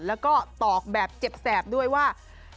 แล้วก็ตอกแบบเจ็บแสบด้วยว่า